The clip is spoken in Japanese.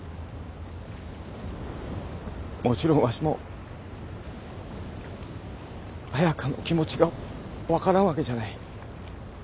もちろんわしも彩佳の気持ちが分からんわけじゃない。